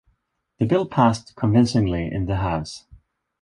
The bill passed convincingly in the House.